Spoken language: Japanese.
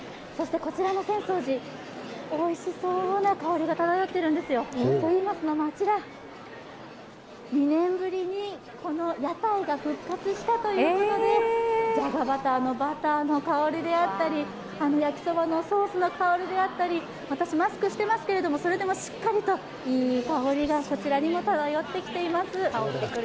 こちらの浅草寺、おいしそうな香りが漂っているんですよ。といいますのも、２年振りに屋台が復活したということで、じゃがバターのバターの香りであったり、焼きそばのソースの香りであったり、私、マスクをしていますけれども、それでもしっかりと、いい香りがこちらにも漂ってきています。